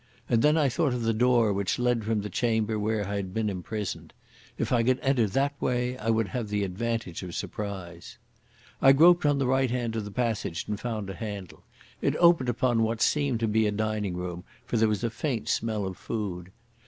And then I thought of the door which led from the chamber where I had been imprisoned. If I could enter that way I would have the advantage of surprise. I groped on the right hand side of the passage and found a handle. It opened upon what seemed to be a dining room, for there was a faint smell of food.